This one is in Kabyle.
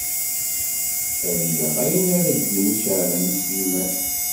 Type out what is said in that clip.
Ad geɣ ayen ara d-yini Caɛban U Sliman.